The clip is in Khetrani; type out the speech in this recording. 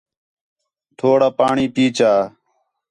تھوڑا پاݨی پئی چا